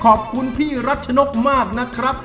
ขอบคุณพี่รัชนกมากนะครับ